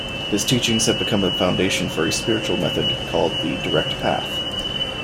His teachings have become a foundation for a spiritual method called the Direct Path.